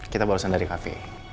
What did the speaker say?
kita barusan dari cafe